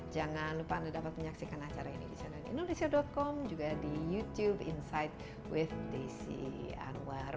jangan lupa anda dapat menyaksikan acara ini di cnnindonesia com juga di youtube insight with desi anwar